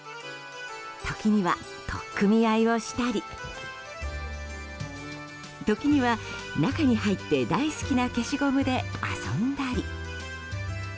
時には取っ組み合いをしたり時には中に入って、大好きな消しゴムで遊んだり。